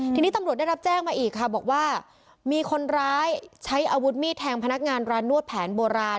ทีนี้ตำรวจได้รับแจ้งมาอีกค่ะบอกว่ามีคนร้ายใช้อาวุธมีดแทงพนักงานร้านนวดแผนโบราณ